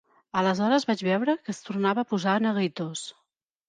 Aleshores vaig veure que es tornava a posar neguitós.